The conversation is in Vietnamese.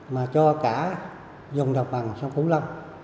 mà cho cả dùng độc bằng sông củ lâm